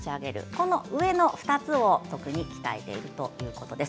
この上の２つを特に鍛えているということです。